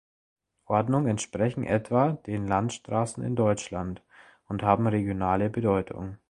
Ordnung entsprechen etwa den Landesstraßen in Deutschland und haben regionale Bedeutung.